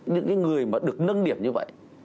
những người mà được nâng điểm như vậy